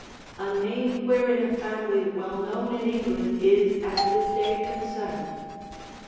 ] a name wherein a family well known in England is at this day concerned.